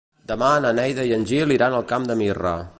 Demà na Neida i en Gil iran al Camp de Mirra.